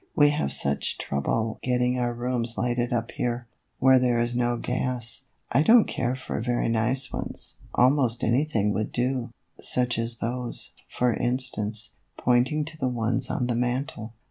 "We have such trouble getting our rooms lighted up here, where there is no gas. I don't care for very nice ones; almost anything would do, such as those, for instance," pointing to the ones on the mantel.